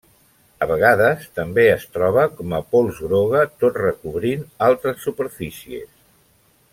A vegades també es troba com a pols groga tot recobrint altres superfícies.